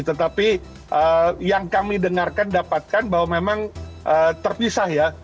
tetapi yang kami dengarkan dapatkan bahwa memang terpisah ya